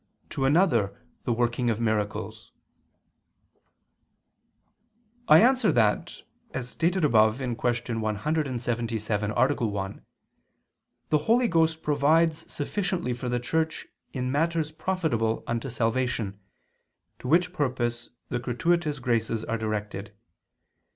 . to another, the working of miracles." I answer that, As stated above (Q. 177, A. 1), the Holy Ghost provides sufficiently for the Church in matters profitable unto salvation, to which purpose the gratuitous graces are directed.